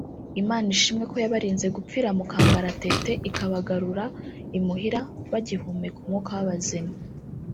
Imana ishimwe ko yabarinze gupfira mu kangaratete ikabagarura imuhira bagihumeka umwuka w’abazima